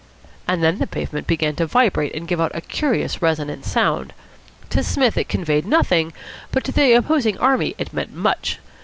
And then the pavement began to vibrate and give out a curious resonant sound. To Psmith it conveyed nothing, but to the opposing army it meant much.